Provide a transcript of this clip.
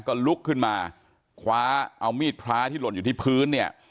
ก็ลุกขึ้นมาคว้าเอามีดพระที่หล่นอยู่ที่พื้นเนี่ย